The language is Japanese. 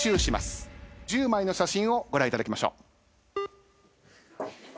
１０枚の写真をご覧いただきましょう。